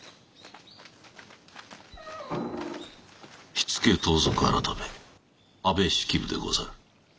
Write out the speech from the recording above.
火付盗賊改安部式部でござる。